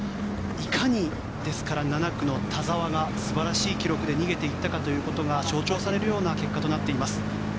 いかに、７区の田澤が素晴らしい記録で逃げていったかということが象徴されるような結果となっています。